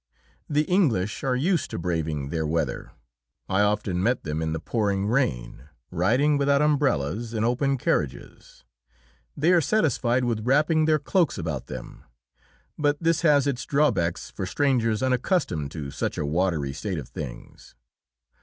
The English are used to braving their weather. I often met them in the pouring rain, riding without umbrellas in open carriages. They are satisfied with wrapping their cloaks about them, but this has its drawbacks for strangers unaccustomed to such a watery state of things.